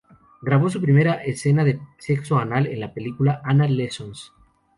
Grabó su primera escena de sexo anal en la película "Anal Lessons".